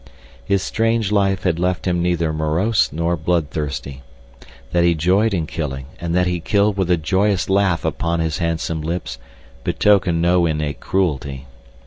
His strange life had left him neither morose nor bloodthirsty. That he joyed in killing, and that he killed with a joyous laugh upon his handsome lips betokened no innate cruelty.